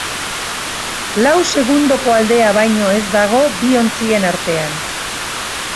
Lau segundoko aldea baino ez dago bi ontzien artean.